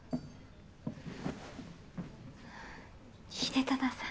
秀忠さん。